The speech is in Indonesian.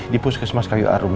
di puskesmas kayu arum